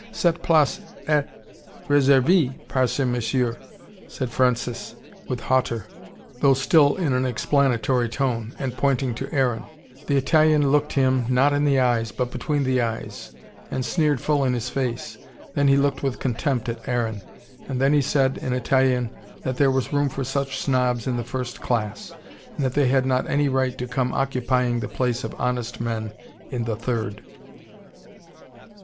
"Cette place est reservee par ce Monsieur " said Francis with hauteur, though still in an explanatory tone, and pointing to Aaron. The Italian looked him, not in the eyes, but between the eyes, and sneered full in his face. Then he looked with contempt at Aaron. And then he said, in Italian, that there was room for such snobs in the first class, and that they had not any right to come occupying the place of honest men in the third.